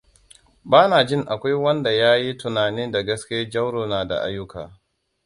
Bana jin akwai wanda ya yi tunanin da gaske Jauro na da ayyuka.